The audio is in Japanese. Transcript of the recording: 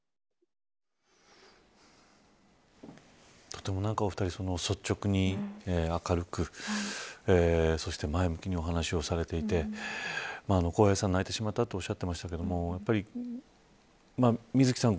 とてもお二人、率直に明るくそして前向きにお話をされていてこうへいさん泣いてしまったとおっしゃってましたけどみずきさん